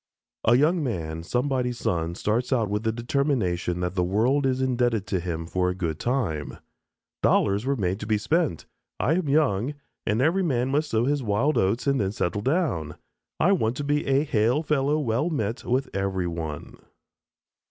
A young man, somebody's son, starts out with the determination that the world is indebted to him for a good time. "Dollars were made to spend. I am young, and every man must sow his wild oats and then settle down. I want to be a 'hail fellow well met' with every one."